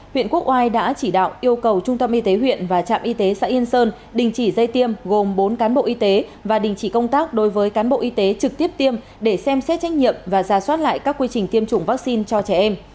huyện quốc oai đã chỉ đạo yêu cầu trung tâm y tế huyện và trạm y tế xã yên sơn đình chỉ dây tiêm gồm bốn cán bộ y tế và đình chỉ công tác đối với cán bộ y tế trực tiếp tiêm để xem xét trách nhiệm và ra soát lại các quy trình tiêm chủng vaccine cho trẻ em